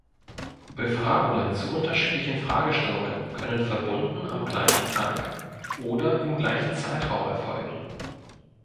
Befragungen zu unterschiedlichen Fragestellungen können verbunden am gleichen Tag oder im gleichen Zeitraum erfolgen.